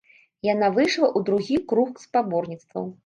Яна выйшла ў другі круг спаборніцтваў.